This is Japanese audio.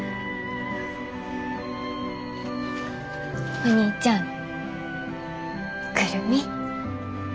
お兄ちゃん久留美